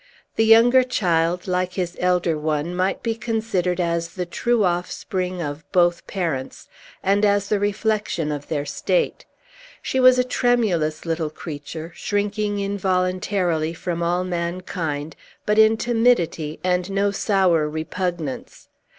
The younger child, like his elder one, might be considered as the true offspring of both parents, and as the reflection of their state. She was a tremulous little creature, shrinking involuntarily from all mankind, but in timidity, and no sour repugnance.